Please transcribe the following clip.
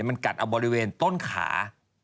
มันกัดเอาบริเวณต้นขา